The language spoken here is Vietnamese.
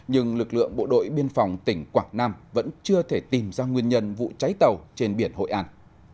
nhưng lực lượng bộ đội biên phòng tỉnh quảng nam vẫn chưa thể tìm ra nguyên nhân vụ cháy tàu trên biển hội an